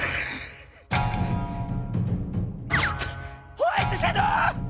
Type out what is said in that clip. ホワイトシャドー！